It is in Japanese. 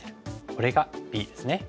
これがＢですね。